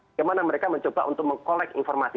bagaimana mereka mencoba untuk mengkolek informasi